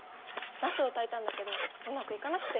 なすを炊いたんだけどうまくいかなくて。